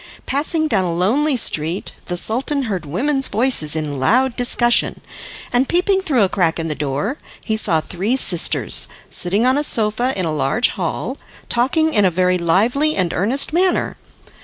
Passing down a lonely street, the Sultan heard women's voices in loud discussion; and peeping through a crack in the door, he saw three sisters, sitting on a sofa in a large hall, talking in a very lively and earnest manner.